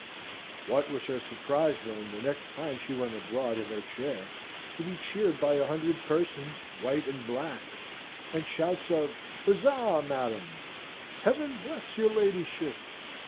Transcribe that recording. What was her surprise then, the next time she went abroad in her chair, to be cheered by a hundred persons, white and black, and shouts of "Huzzah, Madam!" "Heaven bless your ladyship!"